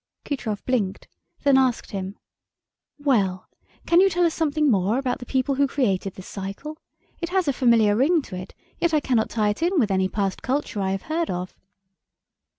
Kutrov blinked, then asked him "Well, can you tell us something more about the people who created this cycle? It has a familiar ring to it, yet I cannot tie it in with any past culture I have heard of."